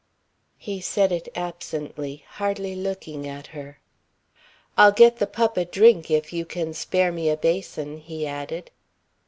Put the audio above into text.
He said it absently, hardly looking at her. "I'll get the pup a drink if you can spare me a basin," he added.